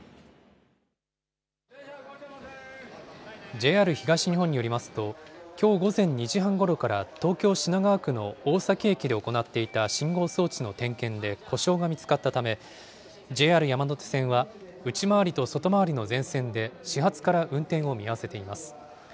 ＪＲ東日本によりますと、きょう午前２時半ごろから東京・品川区の大崎駅で行っていた信号装置の点検で故障が見つかったため、ＪＲ山手線は内回りと外回りの全線で始発から運転を見合わせています。